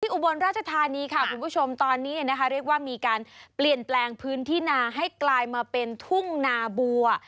อุบลราชธานีค่ะคุณผู้ชมตอนนี้นะคะเรียกว่ามีการเปลี่ยนแปลงพื้นที่นาให้กลายมาเป็นทุ่งนาบัว